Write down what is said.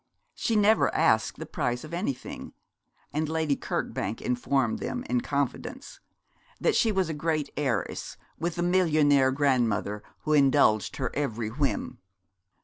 She never asked the price of anything; and Lady Kirkbank informed them, in confidence, that she was a great heiress, with a millionaire grandmother who indulged her every whim.